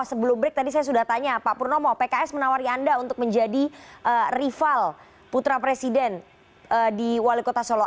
sebelum break tadi saya sudah tanya pak purnomo pks menawari anda untuk menjadi rival putra presiden di wali kota solo